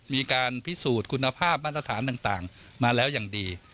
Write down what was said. มีการพิสูจน์คุณภาพมาตรฐานต่างมาแล้วอย่างดี